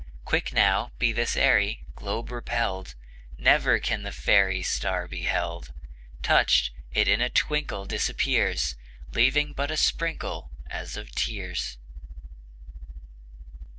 Quick now, be this airy Globe repelled! Never can the fairy Star be held. Touched it in a twinkle Disappears! Leaving but a sprinkle, As of tears.